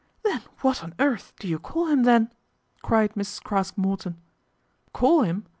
Then what on earth do you call him then ?' cried Mrs. Craske Morton. " Call him